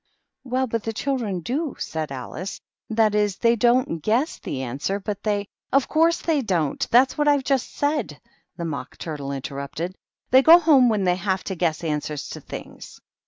" Well, but the children do," said Alice ; "that is, they don't guess the answer, but they "" Of course they don't. That's what I've just saidj^ the Mock Turtle interrupted. "They go home when they have to guess answers to things."